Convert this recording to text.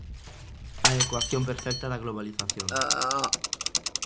A ecuación perfecta da globalización.